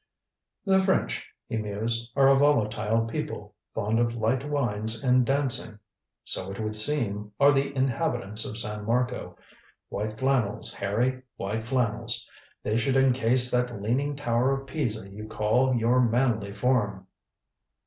"The French," he mused, "are a volatile people, fond of light wines and dancing. So, it would seem, are the inhabitants of San Marco. White flannels, Harry, white flannels. They should encase that leaning tower of Pisa you call your manly form."